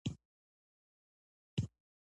په یو وخت کې نه شي کېدای پوه شوې!.